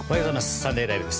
「サンデーＬＩＶＥ！！」です。